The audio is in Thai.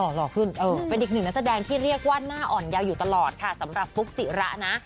หล่อขึ้นเออเป็นอีกหนึ่งนักแสดงที่เรียกว่าหน้าอ่อนยาวอยู่ตลอดค่ะสำหรับฟุ๊กจิระนะ